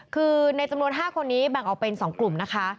คือในจำนวน๕คนนี้แบ่งออกเป็น๒กลุ่มนะคะ